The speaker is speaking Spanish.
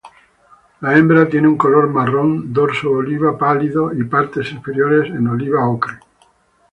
La hembra tiene un color marrón, dorso oliva pálido y partes inferiores en oliva-ocre.